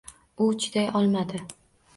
U chiday olmadi